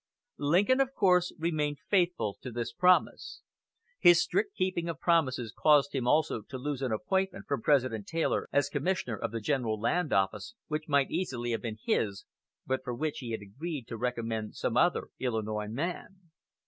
Lincoln of course remained faithful to this promise. His strict keeping of promises caused him also to lose an appointment from President Taylor as Commissioner of the General Land Office, which might easily have been his, but for which he had agreed to recommend some other Illinois man.